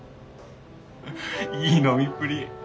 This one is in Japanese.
いい飲みっぷり。